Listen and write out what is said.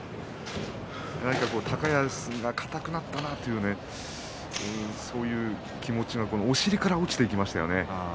なんか高安が硬くなったなというそういう気持ちがお尻から落ちていきましたよね。